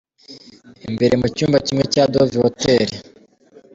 Imbere mu cyumba kimwe cya Dove Hotel.